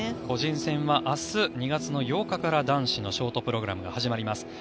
個人戦は明日２月８日から男子のショートプログラムが始まります。